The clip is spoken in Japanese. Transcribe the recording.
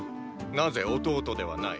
なぜ弟ではない？！